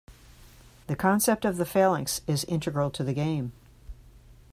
The concept of the phalanx is integral to the game.